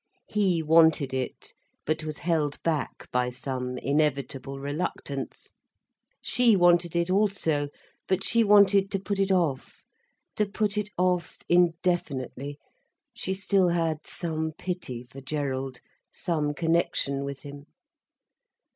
He wanted it, but was held back by some inevitable reluctance. She wanted it also, but she wanted to put it off, to put it off indefinitely, she still had some pity for Gerald, some connection with him.